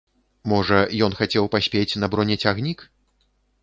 Можа, ён хацеў паспець на бронецягнік?